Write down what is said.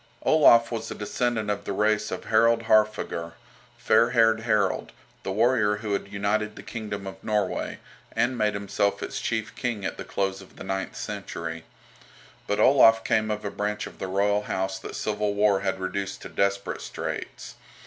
Olaf was a descendant of the race of Harold Haarfager, "Fair haired Harold," the warrior who had united the kingdom of Norway, and made himself its chief king at the close of the ninth century. But Olaf came of a branch of the royal house that civil war had reduced to desperate straits.